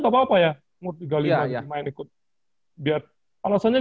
kalau di indonesia kan harusnya gak apa apa ya u tiga puluh lima